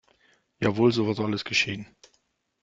Jawohl, so soll es geschehen.